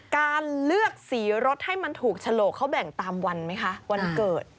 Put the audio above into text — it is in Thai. การเลือกสีรถให้มันถูกฉลกเขาแบ่งตามวันไหมคะวันเกิด